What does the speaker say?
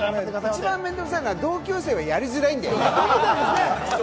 一番面倒くさいのは、同級生はやりづらいんだよね。